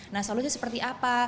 nah solusi seperti apa